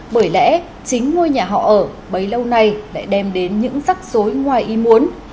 bởi lẽ chính ngôi nhà họ ở bấy lâu nay lại đem đến những rắc rối ngoài ý muốn